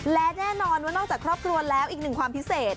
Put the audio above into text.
และแน่นอนว่านอกจากครอบครัวแล้วอีกหนึ่งความพิเศษ